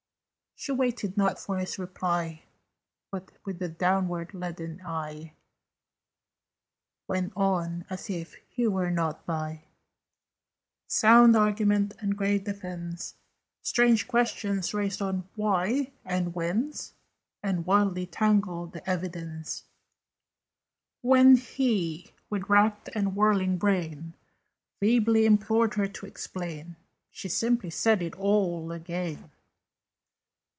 She waited not for his reply, But with a downward leaden eye Went on as if he were not by: Sound argument and grave defence, Strange questions raised on "Why?" and "Whence?" And wildly tangled evidence. When he, with racked and whirling brain, Feebly implored her to explain, She simply said it all again.